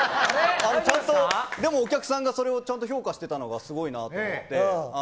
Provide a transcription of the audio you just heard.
でもお客さんがそれをちゃんと評価していたのがすごいなと思って。